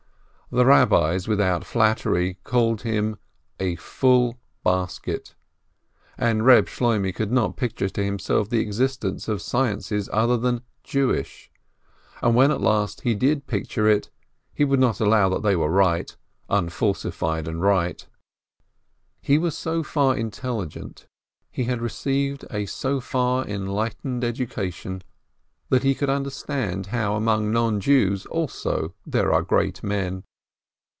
The Rabbis without flattery called him "a full basket," and Reb Shloimeh could not picture to himself the existence of sciences other than "Jew ish," and when at last he did picture it, he would not allow that they were right, unfalsified and right. He was so far intelligent, he had received a so far enlight ened education, that he could understand how among non Jews also there are great men.